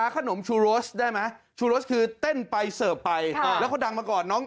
ขนมชูโรสได้ไหมชูโรสคือเต้นไปเสิร์ฟไปแล้วเขาดังมาก่อนน้อง